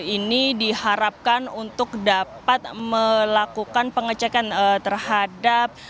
ini diharapkan untuk dapat melakukan pengecekan terhadap